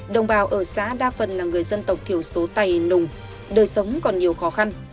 đồng bào ở xã đa phần là người dân tộc thiểu số tà nùng đời sống còn nhiều khó khăn